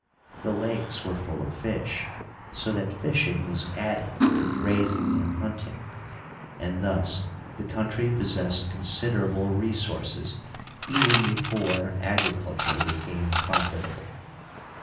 The lakes were full of fish, so that fishing was added to grazing and hunting, and thus the country possessed considerable resources even before agriculture became profitable.